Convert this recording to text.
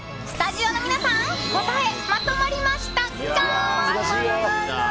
スタジオの皆さん答え、まとまりましたか？